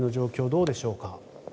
どうでしょうか。